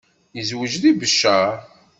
Yezweǧ deg Beccaṛ.